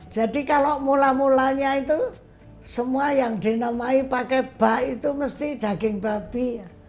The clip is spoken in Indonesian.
kalau mula mulanya itu semua yang dinamai pakai bak itu mesti daging babi